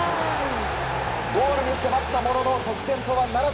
ゴールに迫ったものの得点とはならず。